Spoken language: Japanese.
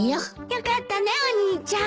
よかったねお兄ちゃん。